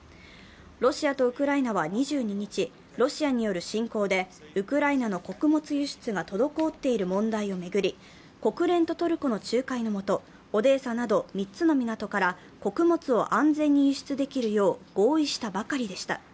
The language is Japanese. ロシアとウクライナは２２日、ロシアによる侵攻でウクライナの穀物輸出が滞っている問題を巡り、国連とトルコの仲介のもと、オデーサなど３つの港から穀物を安全に輸出できるよう合意したばかりでした。